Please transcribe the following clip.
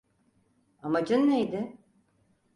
Amacın neydi?